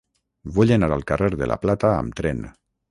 Vull anar al carrer de la Plata amb tren.